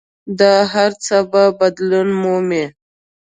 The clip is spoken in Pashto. دا هر څه به بدلون مومي.